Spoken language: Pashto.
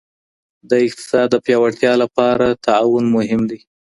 د اقتصاد د پیاوړتیا لپاره تعاون مهم دی.